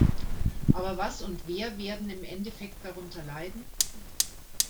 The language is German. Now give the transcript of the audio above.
Aber was und wer werden im Endeffekt darunter leiden?